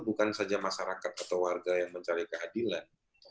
bukan saja masyarakat atau warga yang mencari keadilan